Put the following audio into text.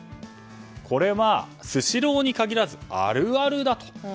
これは、スシローに限らずあるあるだと。